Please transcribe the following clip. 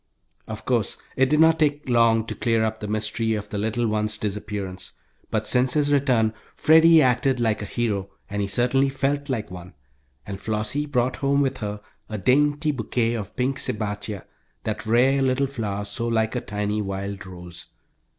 Of course it did not take long to clear up the mystery of the little ones' disappearance. But since his return Freddie acted like a hero, and certainly felt like one, and Flossie brought home with her a dainty bouquet of pink sebatia, that rare little flower so like a tiny wild rose.